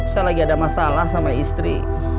saya lagi ada masalah sama istri